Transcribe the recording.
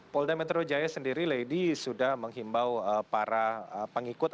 pol demetro jaya sendiri lady sudah menghimbau para pengikut